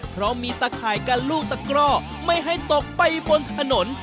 เพราะมีตะข่ายกันลูกตะกร่อไม่ให้ตกไปบนถนน